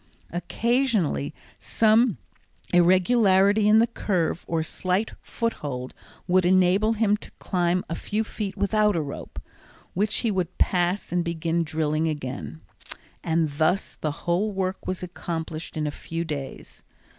Occasionally some irregularity in the curve, or slight foothold, would enable him to climb a few feet without a rope, which he would pass and begin drilling again, and thus the whole work was accomplished in a few days.